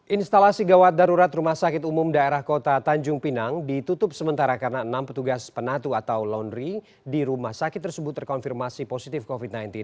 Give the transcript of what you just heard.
instalasi gawat darurat rumah sakit umum daerah kota tanjung pinang ditutup sementara karena enam petugas penatu atau laundering di rumah sakit tersebut terkonfirmasi positif covid sembilan belas